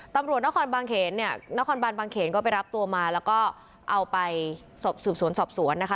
ตำรวจนครบางเขนเนี่ยนครบานบางเขนก็ไปรับตัวมาแล้วก็เอาไปสืบสวนสอบสวนนะคะ